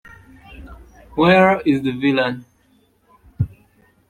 Where is the villain?